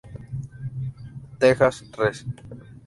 Texas Res.